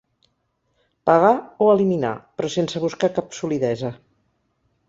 Pagar o eliminar, però sense buscar cap solidesa.